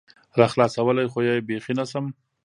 راخلاصولى خو يې بيخي نشم